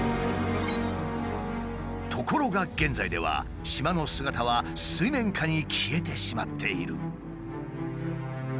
ところが現在では島の姿は水面下に消えてしまっている。